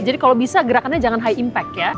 jadi kalau bisa gerakannya jangan high impact ya